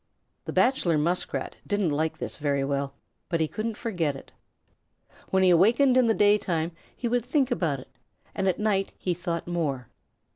The Bachelor Muskrat didn't like this very well, but he couldn't forget it. When he awakened in the daytime he would think about it and at night he thought more.